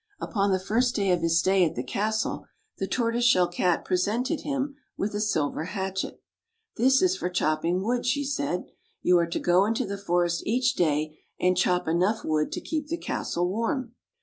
Upon the first day of his stay at the castle, the Tortoise Shell Cat presented him with a silver hatchet. " This is for chopping wood," she said. " You are to go into the forest each day, and chop enough wood to keep the castle warm."